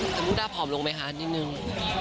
น้องดาผอมลงไหมคะนิดนึง